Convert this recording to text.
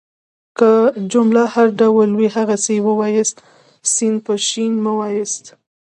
که جمله هر ډول وي هغسي يې وایاست. س په ش مه واياست.